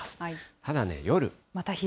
ただね、夜。